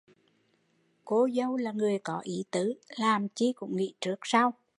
Cô dâu là người có ý tứ, làm chi cũng nghĩ trước sau